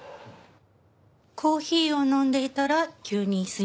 コーヒーを飲んでいたら急に睡魔が？